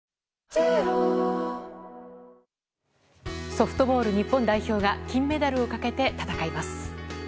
ソフトボール日本代表が金メダルをかけて戦います。